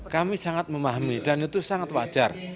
kami sangat memahami dan itu sangat wajar